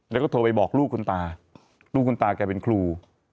แล้วก็โทรไปบอกลูกคุณตาลูกคุณตาแกเป็นครู